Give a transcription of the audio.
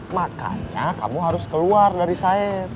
makanya kamu harus keluar dari saya